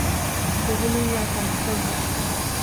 ޖެހިލުންވާ ކަމަކަށް ވެ